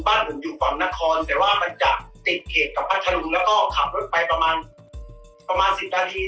บ้านผมอยู่กว่างนครแต่ว่ามันจะติดเขตกับพัทรูแล้วก็ขับรถไปประมาณ๑๐นาที